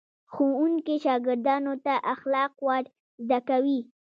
ښوونکي شاګردانو ته اخلاق ور زده کوي.